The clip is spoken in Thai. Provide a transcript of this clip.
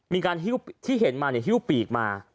มีการที่เห็นมาเนี่ยฮิ่วปีกมา